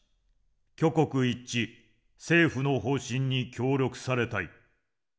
挙国一致政府の方針に協力されたい。